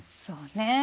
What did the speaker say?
そうね。